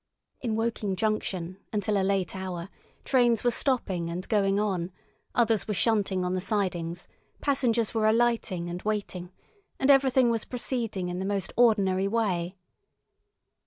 In Woking junction, until a late hour, trains were stopping and going on, others were shunting on the sidings, passengers were alighting and waiting, and everything was proceeding in the most ordinary way.